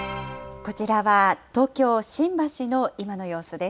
こちらは東京・新橋の今の様子です。